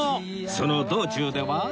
その道中では